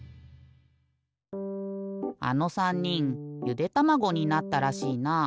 あの３にんゆでたまごになったらしいな。